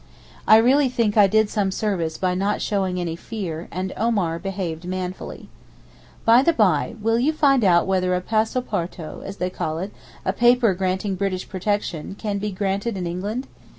I really think I did some service by not showing any fear, and Omar behaved manfully. By the by, will you find out whether a passaporto, as they call it, a paper granting British protection, can be granted in England.